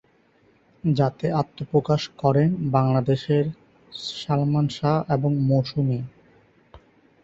যাতে আত্মপ্রকাশ করেন বাংলাদেশের সালমান শাহ এবং মৌসুমী।